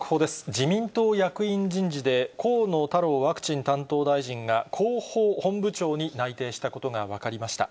自民党役員人事で、河野太郎ワクチン担当大臣が広報本部長に内定したことが分かりました。